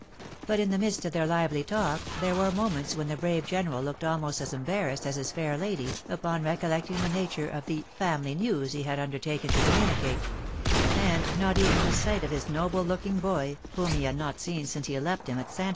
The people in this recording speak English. But in the midst of their hvely talk, there were moments when the brave general looked almost as embarrassed as his fair lady, upon recollecting the nature of the family news he had under taken to communicate, and not even the sight of his noble looking boy, whom he had not seen since he left him at Sand AN EMBAKRASSING SUBJECT.